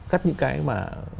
cắt những cái mà